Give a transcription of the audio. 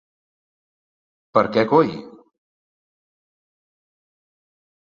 Per a què coi?